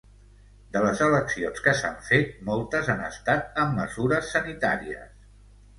De les eleccions que s’han fet, moltes han estat amb mesures sanitàries.